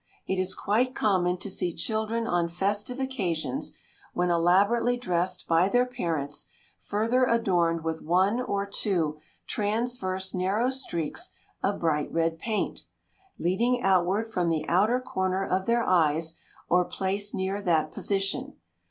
It is quite common to see children on festive occasions, when elaborately dressed by their parents, further adorned with one or two transverse narrow streaks of bright red paint, leading outward from the outer corner of their eyes, or placed near that position.